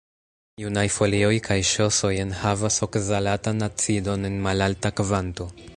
Junaj folioj kaj ŝosoj enhavas okzalatan acidon en malalta kvanto.